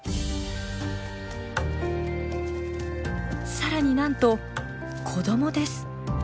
さらになんと子どもです。